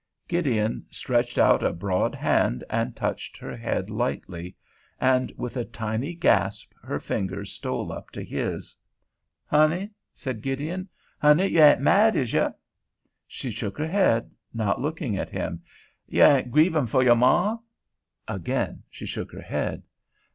Gideon stretched out a broad hand and touched her head lightly; and with a tiny gasp her fingers stole up to his. "Honey," said Gideon—"Honey, yo' ain' mad, is yo'?" She shook her head, not looking at him. "Yo' ain' grievin' foh yo' ma?" Again she shook her head.